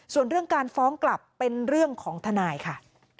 ส่วนเรื่องการฟ้องกลับเป็นเรื่องของทนายค่ะ